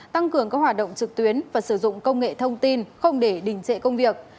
tăng cường các hoạt động trực tuyến và sử dụng công nghệ thông tin không để đình trệ công việc